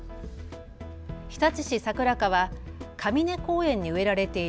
日立市さくら課はかみね公園に植えられている